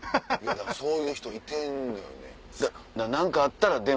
そういう人いてんのよね。